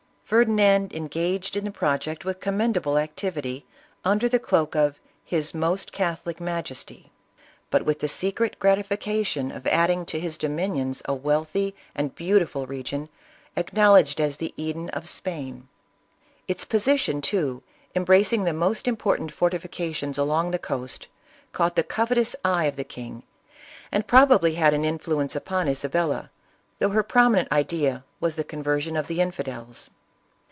Ferdinand engaged in the pro ject with commendable activity, under the cloak of his " most catholic majesty," but with the secret grati fication of adding to his dominions a wealthy and beau tiful region, acknowledged as the Eden of Spain. Its position too, embracing the most important fortifica tions along the coast, caught the covetous eye of the king, and probably had an influence upon Isabella, though her prominent idea was the conversion of the infidels.